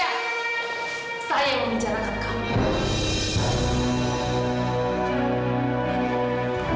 ya saya yang menjarahkan kamu